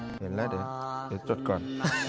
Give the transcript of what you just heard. เห็นแล้วสนุกจดก่อน